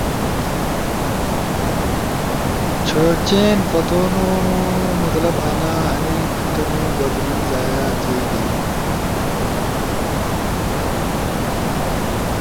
چئین پھتونو مطلب انا ہنی تو تمو بدلون ضائع تھیگی